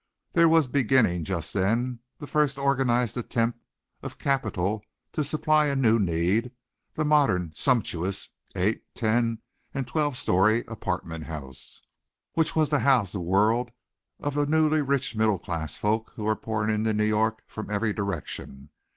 There was beginning, just then, the first organized attempt of capital to supply a new need the modern sumptuous, eight, ten and twelve story apartment house, which was to house the world of newly rich middle class folk who were pouring into New York from every direction.